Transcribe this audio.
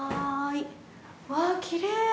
うわっ、きれい。